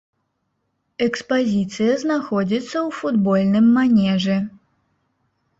Экспазіцыя знаходзіцца ў футбольным манежы.